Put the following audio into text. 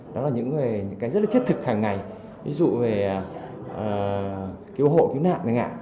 chúng ta có những cái rất là thiết thực hàng ngày ví dụ về cứu hộ cứu nạn cứu ngạn